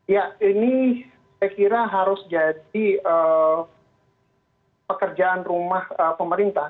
ya ini saya kira harus jadi pekerjaan rumah pemerintah